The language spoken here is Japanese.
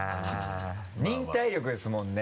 忍耐力ですもんね？